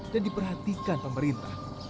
dan diperhatikan pemerintah